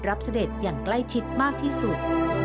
เสด็จอย่างใกล้ชิดมากที่สุด